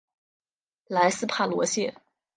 莱斯帕罗谢。